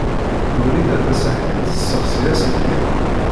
Wrida Tasaḥlit tessexsi aselkim.